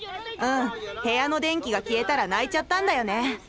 うん部屋の電気が消えたら泣いちゃったんだよね。